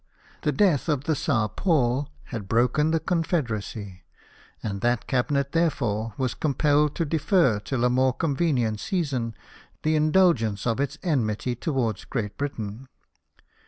The death of the Czar Paul had broken the confederacy ; and that Cabmet, therefore, was compelled to defer till a more convenient season the mdulgence of its enmity towards Great Britain.